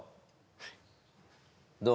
はいどう？